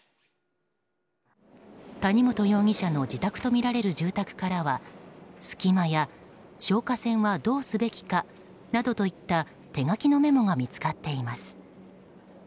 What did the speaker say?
谷本容疑者の自宅とみられる住宅からは隙間や消火栓はどうすべきかなどといった手書きのメモが見つかっています。